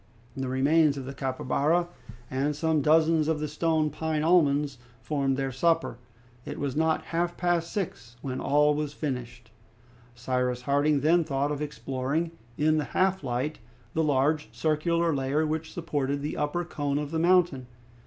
The remains of the capybara and some dozens of the stone pine almonds formed their supper. It was not half past six when all was finished. Cyrus Harding then thought of exploring in the half light the large circular layer which supported the upper cone of the mountain.